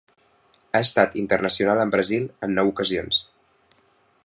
Ha estat internacional amb Brasil en nou ocasions.